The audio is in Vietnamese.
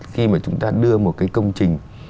khi mà chúng ta đưa một cái công trình